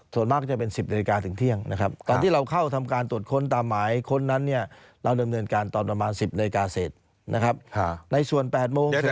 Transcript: ส่วนมากก็จะเป็น๑๐นาฬิกาถึงเที่ยงนะครับตอนที่เราเข้าทำการตรวจค้นตามหมายค้นนั้นเนี่ยเราดำเนินการตอนประมาณ๑๐นาฬิกาเสร็จนะครับในส่วน๘โมง